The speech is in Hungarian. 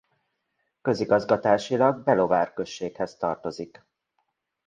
Közigazgatásilag Belovár községhez tartozik.